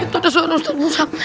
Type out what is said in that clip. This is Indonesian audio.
itu ada suara ustaz musab